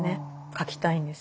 書きたいんです。